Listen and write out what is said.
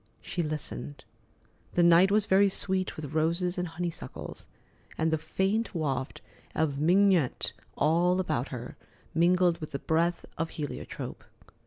She listened. The night was very sweet with roses and honeysuckles and faint waft of mignonette all about her, mingled with the breath of heliotrope.